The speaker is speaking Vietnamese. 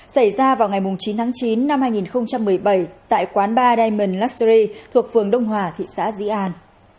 xảy ra vào ngày chín tháng chín năm hai nghìn một mươi bảy tại quán bar diamond luxury thuộc phường đông hòa thị xã di an